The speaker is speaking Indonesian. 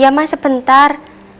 iya mas sebentar